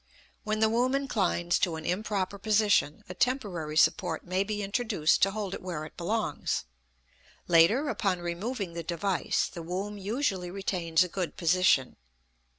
When the womb inclines to an improper position, a temporary support may be introduced to hold it where it belongs; later, upon removing the device, the womb usually retains a good position.